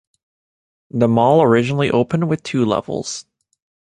The mall originally opened with two levels.